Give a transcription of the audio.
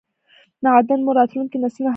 معادن مو راتلونکو نسلونو حق دی!!